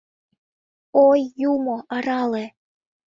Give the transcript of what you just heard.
Ой, юмо, арале!